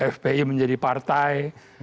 fpi menjadi partai